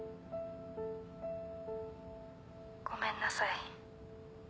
ごめんなさい。